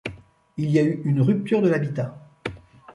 Il y a eu une rupture de l'habitat.